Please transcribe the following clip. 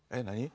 何？